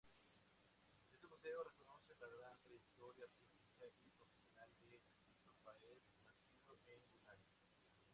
Este museo reconoce la gran trayectoria artística y profesional de Raphael, nacido en Linares.